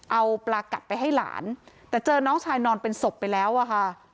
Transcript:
เอาปลากัดไปให้หลานแต่เจอน้องชายนอนเป็นศพไปแล้วอะค่ะ